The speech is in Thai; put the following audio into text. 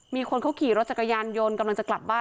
มีคนเขาขี่รถจักรยานยนต์กำลังจะกลับบ้าน